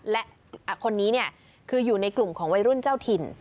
และคนนี้คืออยู่ในกลุ่มของวัยรุ่นเจ้าถิ่น